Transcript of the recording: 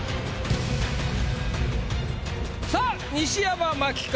さあ西山茉希か？